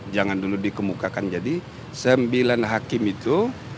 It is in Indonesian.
jangan dulu dikemukakan jadi sembilan hakim itu